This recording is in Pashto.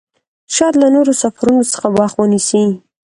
شاید له نورو سفرونو څخه وخت ونیسي.